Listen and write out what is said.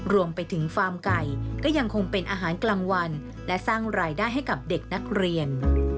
รวมไปถึงฟาร์มไก่ก็ยังคงเป็นอาหารกลางวันและสร้างรายได้ให้กับเด็กนักเรียน